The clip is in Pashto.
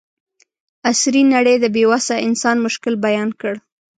عصري نړۍ د بې وسه انسان مشکل بیان کړ.